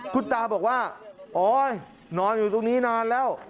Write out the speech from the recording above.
คุณตาบอกว่าโอ๊ยนอนอยู่ตรงนี้นานแล้ว